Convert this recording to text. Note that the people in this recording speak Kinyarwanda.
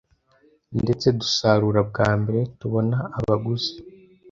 ndetse dusarura bwa mbere tubona abaguzi